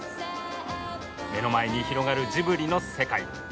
目の前に広がるジブリの世界。